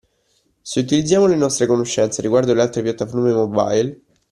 Se utilizziamo le nostre conoscenze riguardo le altre piattaforme mobile